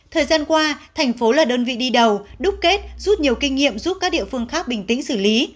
thời gian qua thành phố là đơn vị đi đầu đúc kết rút nhiều kinh nghiệm giúp các địa phương khác bình tĩnh xử lý